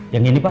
yang ini pak